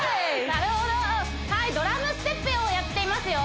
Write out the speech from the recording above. なるほどはいドラムステップをやっていますよ